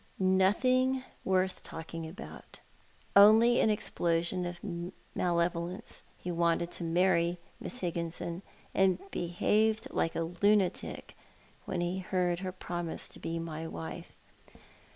" Nothing worth talking about— only an explosion of male volence. He wanted to marry Miss Higginson, and behaved like a lunatic when he heard lier promise to be my wife."